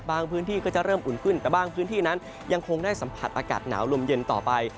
พื้นที่ก็จะเริ่มอุ่นขึ้นแต่บางพื้นที่นั้นยังคงได้สัมผัสอากาศหนาวลมเย็นต่อไป